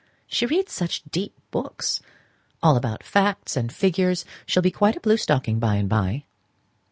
She reads such deep books all about facts and figures: she'll be quite a blue stocking by and by."